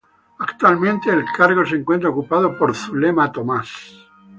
Actualmente el cargo se encuentra ocupado por Zulema Tomás.